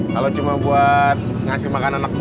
kalo cuma buat ngasih makan kacang hijau kaya lu